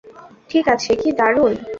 ঠিক আছে - কি দারুন।